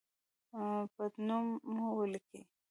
پټنوم مو ولیکئ